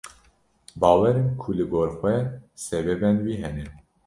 Bawerim ku li gor xwe sebebên wî hene.